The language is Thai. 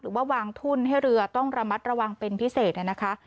ว่าวางทุนให้เรือต้องระมัดระวังเป็นพิเศษนะคะ